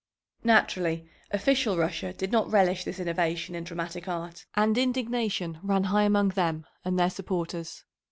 Naturally official Russia did not relish this innovation in dramatic art, and indignation ran high among them and their supporters.